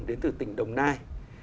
đến từ tỉnh đồng nai